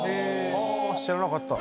・知らなかった・